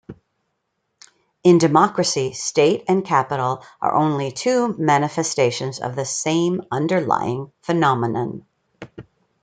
In democracy, State and Capital are only two manifestations of the same underlying phenomenon.